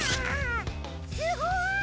すごい！